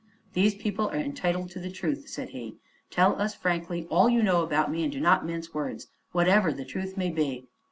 "These people are entitled to the truth," said he. "Tell us frankly all you know about me, and do not mince words whatever the truth may be."